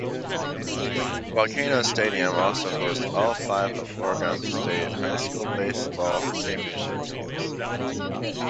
Volcanoes Stadium also hosts all five of Oregon's state high school baseball championship games.